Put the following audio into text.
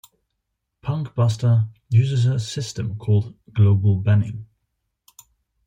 "PunkBuster" uses a system called 'global banning'.